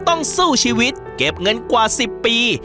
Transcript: ต้องสู้ชีวิตเก็บเงินกว่า๑๐ปี